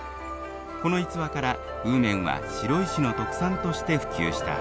この逸話から温麺は白石の特産として普及した。